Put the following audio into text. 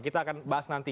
kita akan bahas nanti